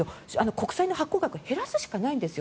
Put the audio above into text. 国債の発行額を減らすしかないんですよ。